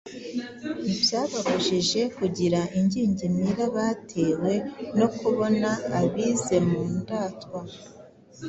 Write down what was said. ntibyababujije kugira ingingimira batewe no kubona abize mu Ndatwa